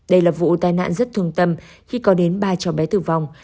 đây là vụ tai nạn rất thương tâm khi có đến ba trò bé tử vong